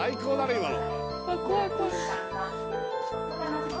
今の。